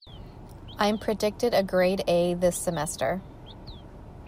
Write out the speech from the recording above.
I'm predicted a grade A this semester.